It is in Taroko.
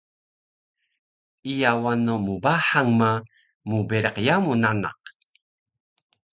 Iya wano mbahang ma mberiq yamu nanak